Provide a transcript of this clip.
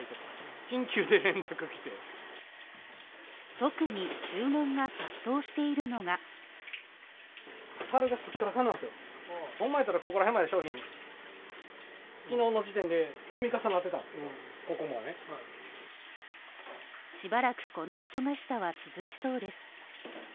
特に注文が殺到しているのがしばらくこの忙しさは続きそうです。